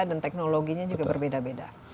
dan teknologinya juga berbeda beda